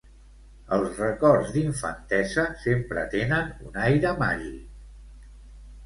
Els records d'infantesa sempre tenen un aire màgic.